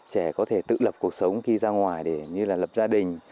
trẻ có thể tự lập cuộc sống khi ra ngoài để như là lập gia đình